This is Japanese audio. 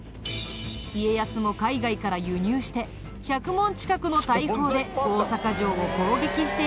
家康も海外から輸入して１００門近くの大砲で大坂城を攻撃していたらしいよ。